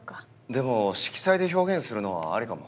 でも色彩で表現するのはありかも。